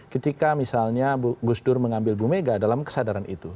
ketika misalnya gus dur mengambil bumega dalam kesadaran itu